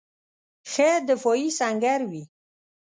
ښه دفاعي سنګر وي.